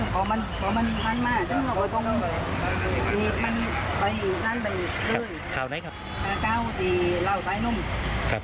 คราวไหนครับ